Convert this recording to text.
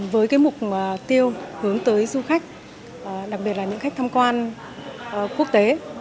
với mục tiêu hướng tới du khách đặc biệt là những khách tham quan quốc tế